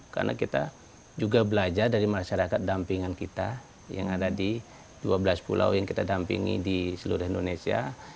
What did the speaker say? karena kita juga belajar dari masyarakat dampingan kita yang ada di dua belas pulau yang kita dampingi di seluruh indonesia